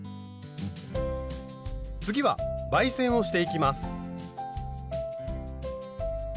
次は媒染をしていきます。